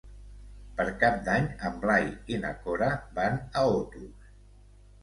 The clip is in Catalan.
Per Cap d'Any en Blai i na Cora van a Otos.